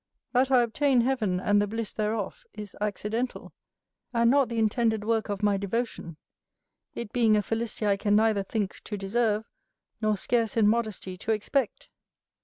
That I obtain heaven, and the bliss thereof, is accidental, and not the intended work of my devotion; it being a felicity I can neither think to deserve nor scarce in modesty to expect.